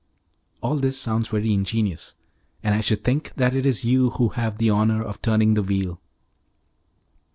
"All this sounds very ingenious, and I should think that it is you who have the honour of turning the wheel."